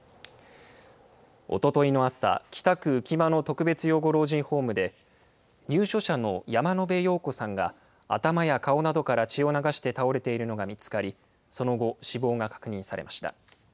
おとといの朝、北区浮間の特別養護老人ホームで、入所者の山野邉陽子さんが、頭や顔などから血を流して倒れているのが見つかり、その後死亡が確認されました。